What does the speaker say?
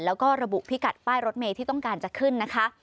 แล้วก็ระบุพิกัดป้ายรถเมย์ที่ต้องการจะขึ้นนะคะ